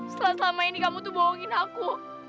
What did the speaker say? setelah selama ini kamu tuh bohongin aku